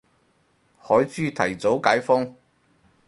海珠提早解封